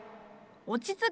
落ち着け。